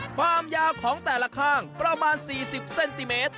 ความยาวของแต่ละข้างประมาณ๔๐เซนติเมตร